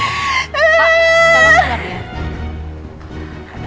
pak tolong keluar ya